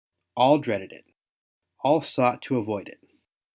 All dreaded it; all sought to avoid it.